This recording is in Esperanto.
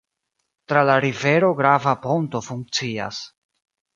Tra la rivero grava ponto funkcias.